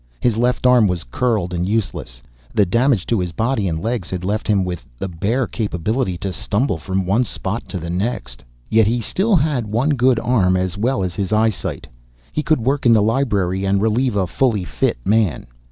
His left arm was curled and useless. The damage to his body and legs had left him with the bare capability to stumble from one spot to the next. Yet he still had one good arm as well as his eyesight. He could work in the library and relieve a fully fit man.